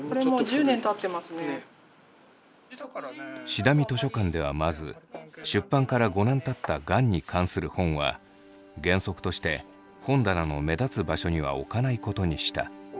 志段味図書館ではまず出版から５年たったがんに関する本は原則として本棚の目立つ場所には置かないことにした。